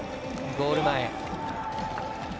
ゴール前。